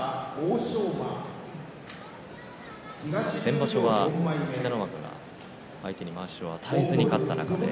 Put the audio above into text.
先場所は北の若が相手にまわしを与えずに勝ちました。